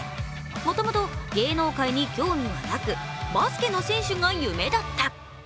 もともと芸能界に興味はなく、バスケの選手が夢だった。